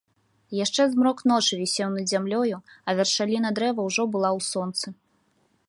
Яшчэ змрок ночы вісеў над зямлёю, а вяршаліна дрэва ўжо была ў сонцы.